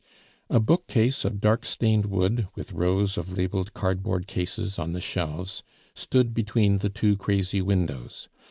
A bookcase of dark stained wood, with rows of labeled cardboard cases on the shelves, stood between the two crazy windows.